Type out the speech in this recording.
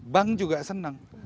bank juga senang